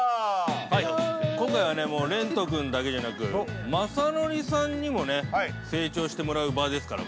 今回は、れんと君だけじゃなく、まさのりさんにもね、成長してもらう場ですから。